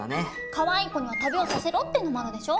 「かわいい子には旅をさせろ」っていうのもあるでしょ？